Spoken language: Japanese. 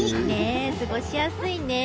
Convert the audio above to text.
過ごしやすいね。